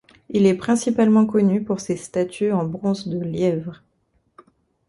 Il est principalement connu pour ses statues en bronze de lièvres.